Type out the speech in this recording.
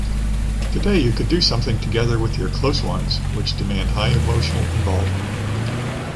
Today you could do something together with your close ones which demand high emotional involvement.